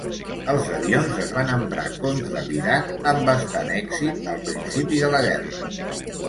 Els avions es van emprar contra l'Iraq, amb bastant èxit al principi de la guerra.